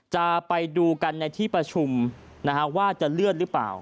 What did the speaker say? จะไปดูกันในที่ประชุมว่าจะเลื่อนหรือเปล่า